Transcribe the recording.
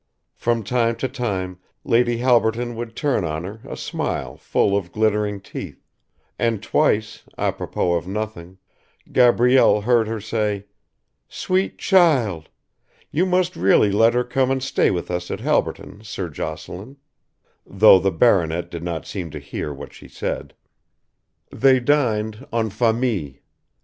From time to time Lady Halberton would turn on her a smile full of glittering teeth, and twice, apropos of nothing, Gabrielle heard her say: "Sweet child! You must really let her come and stay with us at Halberton, Sir Jocelyn," though the baronet did not seem to hear what she said. They dined en famille.